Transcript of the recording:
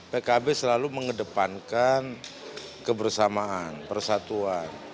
pkb selalu mengedepankan kebersamaan persatuan